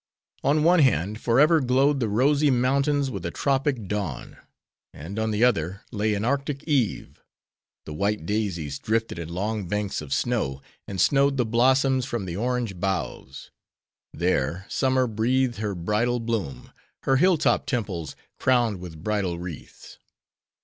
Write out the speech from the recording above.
On one hand, forever glowed the rosy mountains with a tropic dawn; and on the other; lay an Arctic eve;—the white daisies drifted in long banks of snow, and snowed the blossoms from the orange boughs. There, summer breathed her bridal bloom; her hill top temples crowned with bridal wreaths.